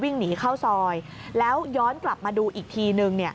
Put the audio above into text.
วิ่งหนีเข้าซอยแล้วย้อนกลับมาดูอีกทีนึง